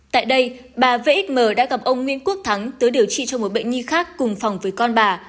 tại đây bà vxm đã gặp ông nguyễn quốc thắng tới điều trị cho một bệnh nhi khác cùng phòng với con bà